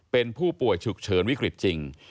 เป็นผู้ป่วยฉุกเฉินวิกฤตจริง